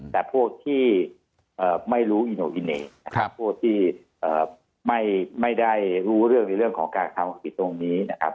แต่พวกที่ไม่รู้อีโนอิเน่นะครับพวกที่ไม่ได้รู้เรื่องในเรื่องของการทำผิดตรงนี้นะครับ